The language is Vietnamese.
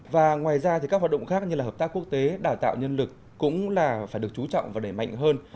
và ngoài ra thì các hoạt động khác như là hợp tác quốc tế đào tạo nhân lực cũng là phải được chú trọng và đẩy mạnh hơn